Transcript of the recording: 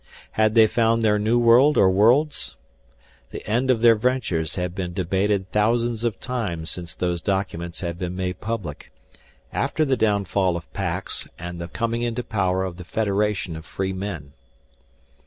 Had they found their new world or worlds? The end of their ventures had been debated thousands of times since those documents had been made public, after the downfall of Pax and the coming into power of the Federation of Free Men.